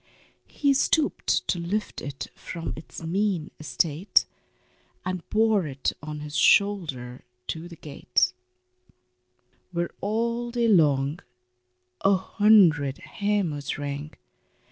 He stooped to lift it from its mean estate, And bore it on his shoulder to the gate, Where all day long a hundred hammers rang.